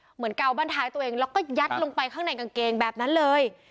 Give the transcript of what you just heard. เกาบ้านท้ายตัวเองแล้วก็ยัดลงไปข้างในกางเกงแบบนั้นเลย